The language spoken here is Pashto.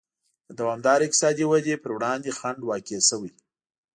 د دوامدارې اقتصادي ودې پر وړاندې خنډ واقع شوی.